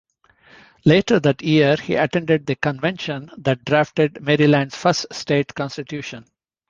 Later that year he attended the Convention that drafted Maryland's first state constitution.